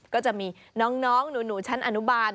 ก็จะมีน้องหนูชั้นอนุบาล